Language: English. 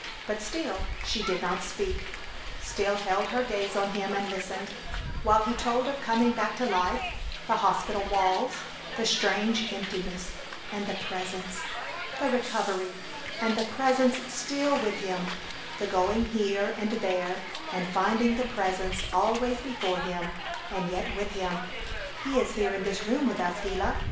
But still she did not speak, still held her gaze on him and listened, while he told of coming back to life, the hospital walls, the strange emptiness, and the Presence; the recovery, and the Presence still with him; the going here and there and finding the Presence always before him and yet with him! "He is here in this room with us, Gila!"